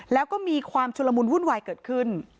แล้วก็มีความชุลมุนวุ่นวายเกิดขึ้น